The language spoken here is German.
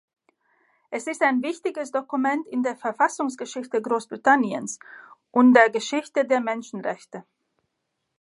Es ist ein wichtiges Dokument in der Verfassungsgeschichte Großbritanniens und der Geschichte der Menschenrechte.